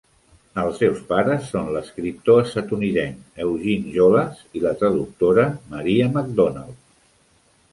Els seus pares són l'escriptor estatunidenc Eugene Jolas i la traductora Maria McDonald.